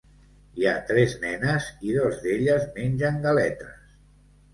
Hi ha tres nenes i dos d"elles mengen galetes.